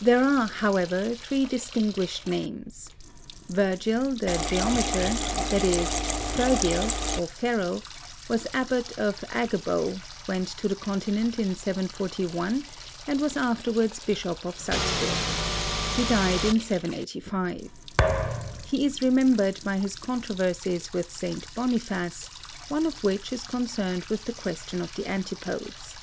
There are, however, three distinguished names. Virgil the Geometer, i.e., Fergil (O'Farrell), was Abbot of Aghaboe, went to the continent in 741, and was afterwards Bishop of Salzburg. He died in 785. He is remembered by his controversies with St. Boniface, one of which is concerned with the question of the Antipodes.